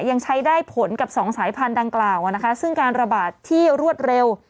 ยังใช้ได้ผลกับสองสายพันธุดังกล่าวซึ่งการระบาดที่รวดเร็ว